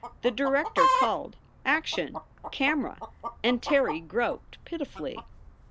The director called: "Action! Camera!" And Terry groped pitifully.